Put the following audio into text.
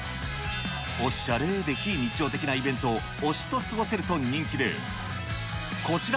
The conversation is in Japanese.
おしゃれで非日常的なイベント、推しと過ごせると人気で、こちら